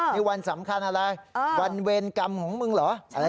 นี่วันสำคัญอะไรวันเวรกรรมของมึงเหรอ